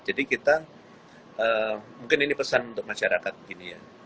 jadi kita mungkin ini pesan untuk masyarakat begini ya